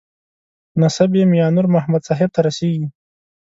نسب یې میانور محمد صاحب ته رسېږي.